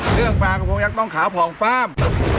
เรื่องปลากระโพงยักษ์ต้องขาวผ่องฟาร์ม